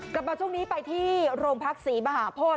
กลับมาช่วงนี้ไปที่โรงพักศรีมหาโพธิ